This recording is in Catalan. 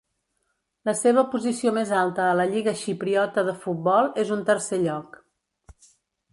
La seva posició més alta a la Lliga xipriota de futbol és un tercer lloc.